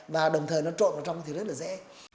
và đồng thời nó trộn vào trong thì rất là dễ